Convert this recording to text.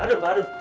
cinggir pak cing